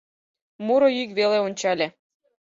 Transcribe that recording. Муро йӱк веке ончале: